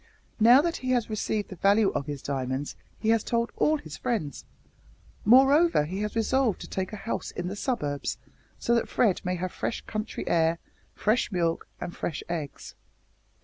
Now that he has received the value of his diamonds he has told all his friends. Moreover, he has resolved to take a house in the suburbs, so that Fred may have fresh country air, fresh milk, and fresh eggs.